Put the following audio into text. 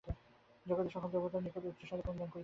জগতের সকল দেবতার নিকট উচ্চৈঃস্বরে ক্রন্দন করিতে পার।